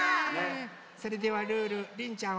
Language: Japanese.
それではルールりんちゃん